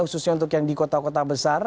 khususnya untuk yang di kota kota besar